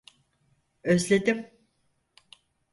Özledim.